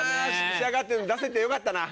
仕上がってるの出せてよかったな。